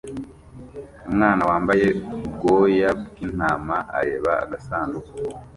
Umwana wambaye ubwoya bw'intama areba agasanduku